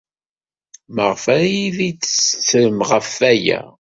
Maɣef ara iyi-d-tettrem ɣef waya?